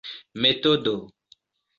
metodo